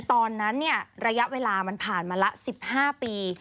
ตอนนั้นเนี่ยระยะเวลามันผ่านมาละ๑๕ปี